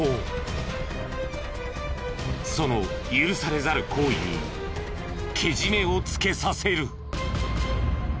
その許されざる行為にけじめをつけさせる。